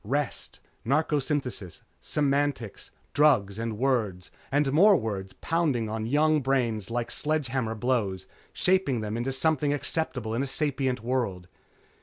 Rest, narcosynthesis. Semantics. Drugs and words and more words pounding on young brains like sledgehammer blows, shaping them into something acceptable in a sapient world.